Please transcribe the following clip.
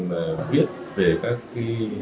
mà biết về các cái